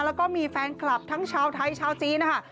แล้วก็มีแฟนคลับทั้งชาวไทยชาวจีนนะคะ